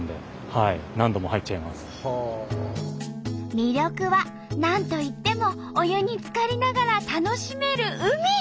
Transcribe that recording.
魅力は何といってもお湯につかりながら楽しめる海。